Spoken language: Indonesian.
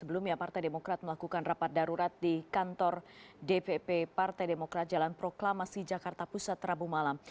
sebelumnya partai demokrat melakukan rapat darurat di kantor dpp partai demokrat jalan proklamasi jakarta pusat rabu malam